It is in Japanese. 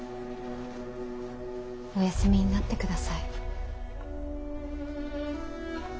お休みになってください。